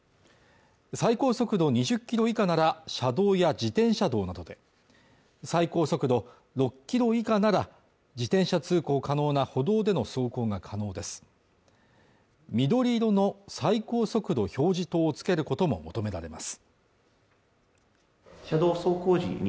最高速度２０キロ以下なら車道や自転車道などで最高速度６キロ以下なら自転車通行可能な歩道での走行が可能です緑色の最高速度表示灯をつけることも求められます